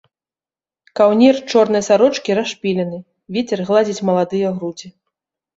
Каўнер чорнай сарочкі расшпілены, вецер гладзіць маладыя грудзі.